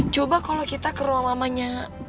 coba kalau kita ke ruang mamanya